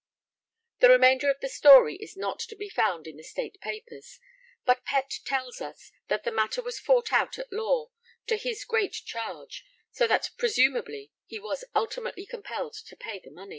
The remainder of the story is not to be found in the State Papers, but Pett tells us that the matter was fought out at law, to his 'great charge,' so that presumably he was ultimately compelled to pay the money.